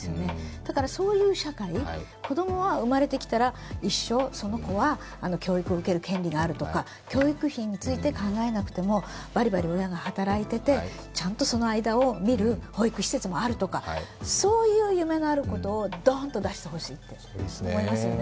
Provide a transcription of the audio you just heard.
だから、そういう社会、子供は産まれてきたら一生その子は教育を受ける権利があるとか、教育費について考えなくても、バリバリ親が働いててちゃんとその間を見る保育施設もあるとか、そういう夢のあることをドーンと出してほしいと思いますよね。